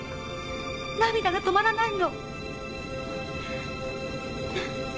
涙が止まらないの。